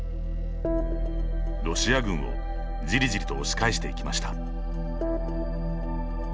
ロシア軍をじりじりと押し返していきました。